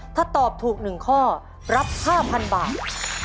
ถ้าตอบถูก๑ข้อรับ๕๐๐๐บาท